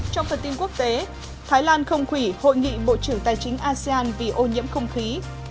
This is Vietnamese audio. trong phần tin quốc tế thái lan không khủy hội nghị bộ trưởng tài chính asean vì ô nhiễm không khí